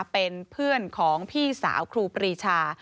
เป็นเพื่อนของพี่สาวครูปรีชา